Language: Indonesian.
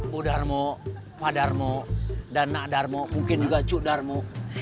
bu darmo pak darmo dan nak darmo mungkin juga cuk darmo